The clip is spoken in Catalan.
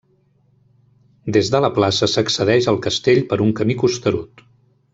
Des de la plaça s'accedeix al castell per un camí costerut.